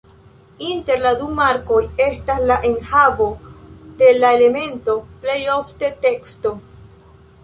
Inter la du markoj estas la enhavo de la elemento, plej ofte teksto.